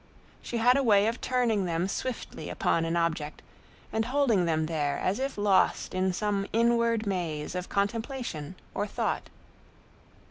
She had a way of turning them swiftly upon an object and holding them there as if lost in some inward maze of contemplation or thought.